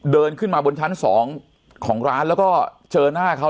เดินขึ้นมาบนชั้น๒ของร้านแล้วก็เจอหน้าเขา